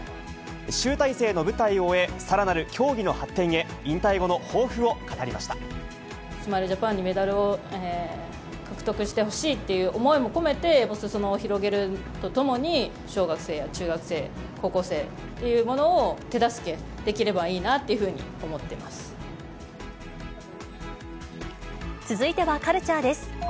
集大成の舞台を終え、さらなる競技の発展へ、引退後の抱負を語りスマイルジャパンにメダルを獲得してほしいっていう思いも込めて、すそ野を広げるとともに、小学生や中学生、高校生というものを手助けできればいいなっていうふうに思ってま続いてはカルチャーです。